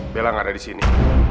bella gak ada disini